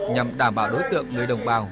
nhằm đảm bảo đối tượng người đồng bào